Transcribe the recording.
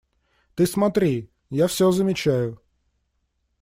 – Ты смотри! Я все замечаю.